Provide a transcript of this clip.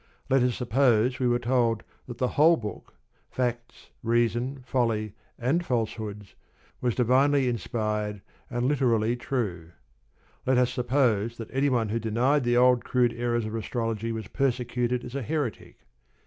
Let us suppose we were told that the whole book facts, reason, folly, and falsehoods was divinely inspired and literally true. Let us suppose that any one who denied the old crude errors of astrology was persecuted as a heretic.